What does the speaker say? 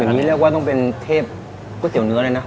อันนี้เรียกว่าต้องเป็นเทพก๋วยเตี๋ยวเนื้อเลยนะ